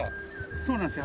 そうなんですよ。